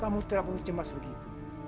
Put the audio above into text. kamu terlalu cemas begitu